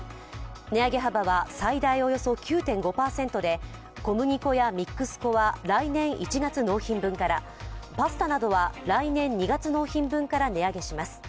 値上げ幅は最大およそ９．５％で小麦粉やミックス粉は来年１月納品分から、パスタなどは来年２月納品分から値上げします。